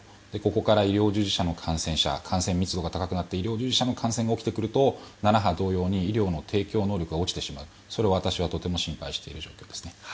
ここから医療従事者の感染者感染密度が高くなってきて医療従事者の感染が起きてくると７波同様に医療の提供能力が落ちてしまうそれを私はとても心配している状況です。